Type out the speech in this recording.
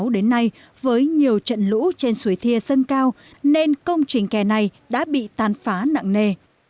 đến nay với nhiều trận lũ trên suối thia sân cao nên công trình kè này đã bị tàn phá nặng nề